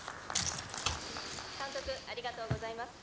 「監督ありがとうございます」